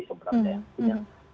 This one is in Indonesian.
yang punya leading sector